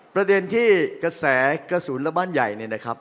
ประเด็นที่กระแสกระสุนและบ้านใหญ่เนี่ยนะครับ